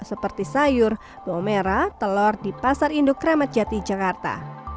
seperti sayur bawang merah telur di pasar induk ramadjati jakarta